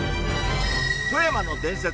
富山の伝説